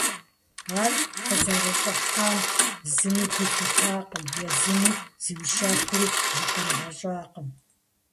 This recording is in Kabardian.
Ар къызэрыщӏыхьам зыми гу лъитакъым, езыми зиущэхури закъригъэщӏакъым.